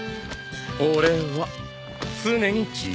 俺は常に自由。